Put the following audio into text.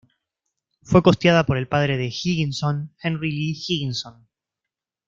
Fue costeada por el padre de Higginson, Henry Lee Higginson.